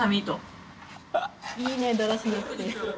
いいねだらしなくて。